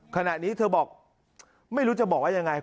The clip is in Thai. ขณะนี้เธอบอกไม่รู้จะบอกว่ายังไง